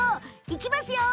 いきますよ。